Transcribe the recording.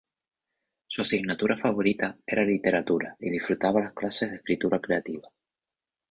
Su asignatura favorita era literatura y disfrutaba las clases de escritura creativa.